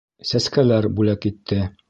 Сәскәләр бүләк итте.